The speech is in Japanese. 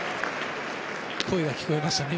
声が聞こえましたね。